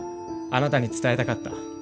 あなたに伝えたかった。